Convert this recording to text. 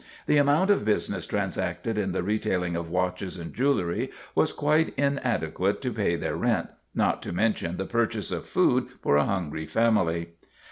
The amount of business trans acted in the retailing of watches and jewelry was quite inadequate to pay their rent, not to mention the purchase of food for a hungry family.